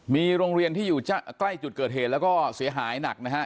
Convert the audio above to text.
มีโรงเรียนที่อยู่ใกล้จุดเกิดเหตุแล้วก็เสียหายหนักนะฮะ